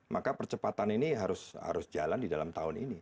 maka percepatan ini harus jalan di dalam tahun ini